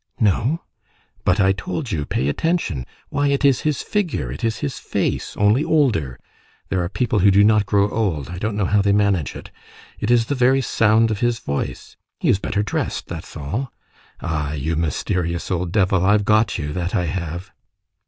"No." "But I told you: 'Pay attention!' Why, it is his figure, it is his face, only older,—there are people who do not grow old, I don't know how they manage it,—it is the very sound of his voice. He is better dressed, that is all! Ah! you mysterious old devil, I've got you, that I have!"